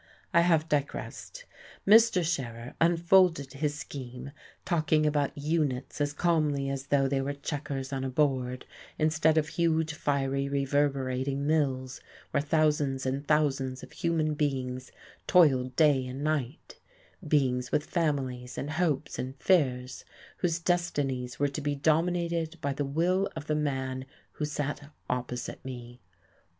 I have digressed.... Mr. Scherer unfolded his scheme, talking about "units" as calmly as though they were checkers on a board instead of huge, fiery, reverberating mills where thousands and thousands of human beings toiled day and night beings with families, and hopes and fears, whose destinies were to be dominated by the will of the man who sat opposite me.